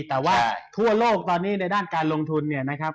แต่ว่าทั่วโลกตอนนี้ในด้านการลงทุนเนี่ยนะครับ